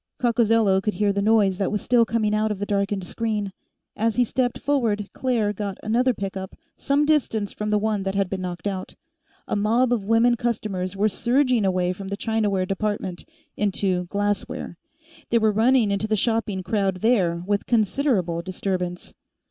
Coccozello could hear the noise that was still coming out of the darkened screen. As he stepped forward, Claire got another pickup, some distance from the one that had been knocked out. A mob of women customers were surging away from the Chinaware Department, into Glassware; they were running into the shopping crowd there, with considerable disturbance.